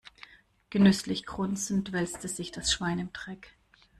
Genüsslich grunzend wälzte sich das Schwein im Dreck.